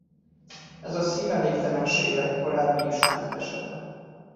Ez a szívelégtelenség legkorábbi ismert esete.